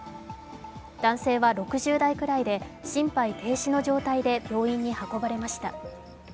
男性は６０代くらいで、心肺停止の状態で病院に運ばれました。